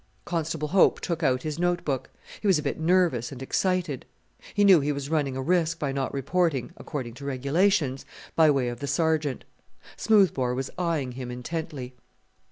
Constable Hope took out his notebook. He was a bit nervous and excited. He knew he was running a risk by not reporting, according to regulations, by way of the Sergeant. Smoothbore was eyeing him intently.